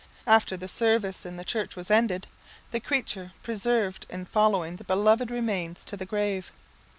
After the service in the church was ended, the creature persevered in following the beloved remains to the grave.